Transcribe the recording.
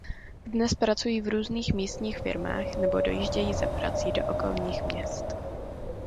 Dnes pracují v různých místních firmách nebo dojíždějí za prací do okolních měst.